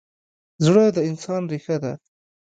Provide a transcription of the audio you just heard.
زړه د انسان ریښه ده.